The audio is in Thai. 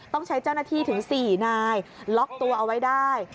ต้องใช้เจ้าหน้าที่ถึง๔นายล็อกตัวเอาไว้ได้